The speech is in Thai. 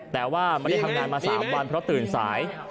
แต่ว่าไม่ได้ทำงานมา๓วันเพราะตื่นสาย